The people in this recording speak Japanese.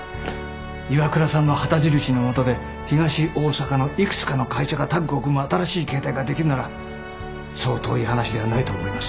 ＩＷＡＫＵＲＡさんの旗印のもとで東大阪のいくつかの会社がタッグを組む新しい形態ができるならそう遠い話ではないと思います。